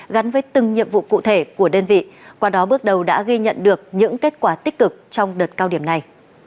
gắn với từng nhiệm vụ cụ thể của đơn vị qua đó bước đầu đã ghi nhận được những kết quả tích cực trong đợt cao điểm này